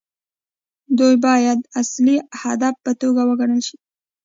دوی باید د اصلي هدف په توګه وګڼل شي.